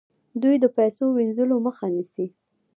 دوی د پیسو وینځلو مخه نیسي.